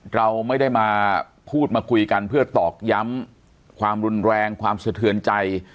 เราไม่ได้มาพูดมาคุยกันเพื่อตอกย้ำความรุนแรงความสะเทือนใจ